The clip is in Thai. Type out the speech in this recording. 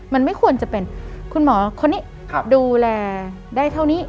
มันไม่ควรจะเป็นคุณหมอคนนี้ดูแลได้เท่านี้